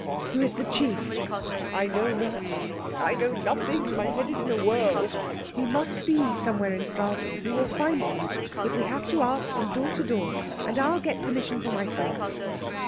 '" "Who is the chief?" "I know not. I know nothing. My head is in a whirl." "He must be somewhere in Stralsund. We will find him, if we have to ask from door to door. And I'll get permission for myself."